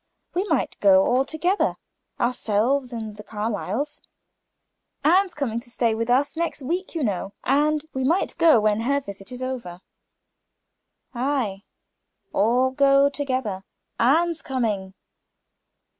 We might go all together, ourselves and the Carlyles. Anne comes to stay with us next week, you know, and we might go when her visit is over." "Aye, all go together. Anne's coming?"